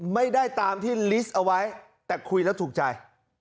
ไม่ได้ตามที่ลิสต์เอาไว้แต่คุยแล้วถูกใจ